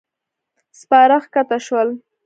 سپاره کښته شول.